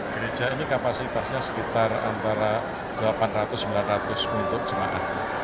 gereja ini kapasitasnya sekitar antara delapan ratus sembilan ratus untuk jemaah